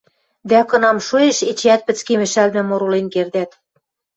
Дӓ, кынам шоэш, эчеӓт пӹцкемӹшӓлтмӹм оролен кердӓт...